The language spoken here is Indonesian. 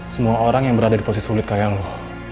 semua orang yang berada di posisi sulit kayak lo